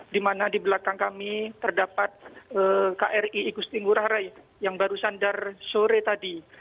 di mana di belakang kami terdapat kri igusti ngurah rai yang baru sandar sore tadi